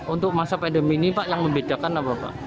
untuk masa pandemi ini pak yang membedakan apa pak